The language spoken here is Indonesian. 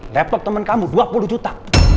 laptop teman kamu dua puluh juta